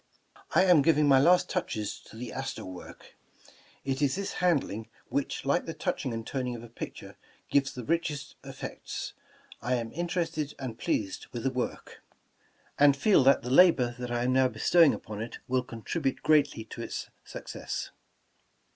"I am giving my last touches to the Astor work. It is this handling, which, like the touching and toning of a picture, gives the richest ef fects. I am interested and pleased with the work, and feel that the labor that I am now bestowing upon it will contribute greatly to its success."